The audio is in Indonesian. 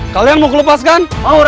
kalian mau kelepaskan